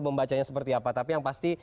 membacanya seperti apa tapi yang pasti